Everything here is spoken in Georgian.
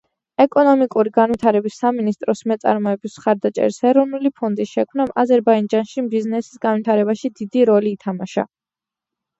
ეკონომიკური განვითარების სამინისტროს მეწარმეობის მხარდაჭერის ეროვნული ფონდის შექმნამ აზერბაიჯანში ბიზნესის განვითარებაში დიდი როლი ითამაშა.